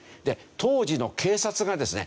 当時の警察がですね